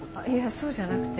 そうじゃなくて。